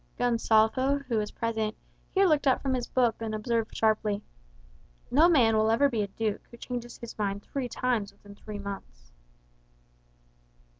'" Gonsalvo, who was present, here looked up from his book and observed sharply, "No man will ever be a duke who changes his mind three times within three months."